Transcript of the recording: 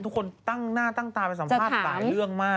ทุกคนตั้งหน้าตั้งตาไปสัมภาษณ์หลายเรื่องมาก